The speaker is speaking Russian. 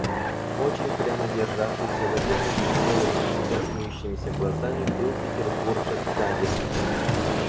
Очень прямо державшийся военный с веселыми, всегда смеющимися глазами был петербуржец Гагин.